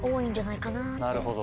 なるほど。